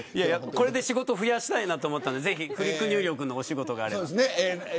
これで仕事増やしたいなと思ったのでぜひフリック入力のお仕事があれば。